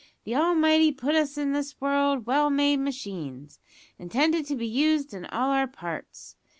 The Almighty put us into this world well made machines, intended to be used in all our parts.